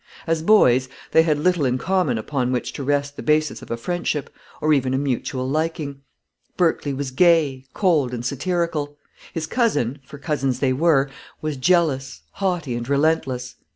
As boys, they had little in common upon which to rest the basis of a friendship, or even a mutual liking. Berkley was gay, cold, and satirical; his cousin for cousins they were was jealous, haughty, and relentless.